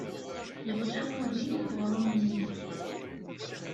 Yeḍla udi i weɣrum-nni.